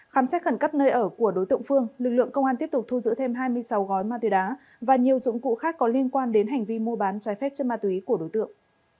khám xét khẩn cấp nơi ở của đối tượng phương lực lượng công an tiếp tục thu giữ thêm hai mươi sáu gói ma túy đá và nhiều dụng cụ khác có liên quan đến hành vi mua bán trái phép chân ma túy của đối tượng